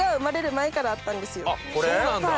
あっそうなんだ！